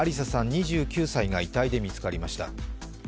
２９歳が遺体で見つかりました。